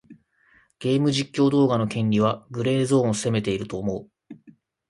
ゲーム実況動画の権利はグレーゾーンを攻めていると思う。